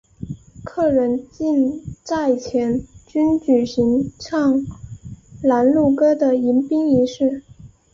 客人进寨前均举行唱拦路歌的迎宾仪式。